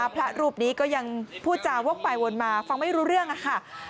พระรูปนี้ก็ยังพูดจาวกไปวนมาฟังไม่รู้เรื่องค่ะ